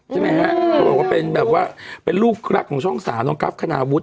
ใช่ไหมฮะว่าเป็นลูกรักของช่องสารน้องกรัฟขนาวุด